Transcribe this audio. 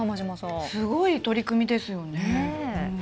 すごい取り組みですね。